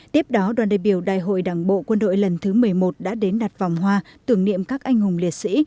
tiếp đó đoàn đại biểu đại hội đảng bộ quân đội lần thứ một mươi một đã đến đặt vòng hoa tưởng niệm các anh hùng liệt sĩ